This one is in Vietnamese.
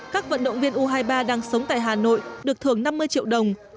các vận động viên u hai mươi ba đang sống tại hà nội được thưởng năm mươi triệu đồng